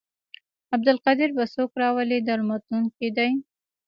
عبدالقدیر به څوک راولي درملتون کې دی.